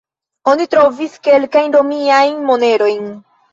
Oni trovis kelkajn romiajn monerojn.